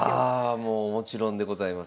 もうもちろんでございます。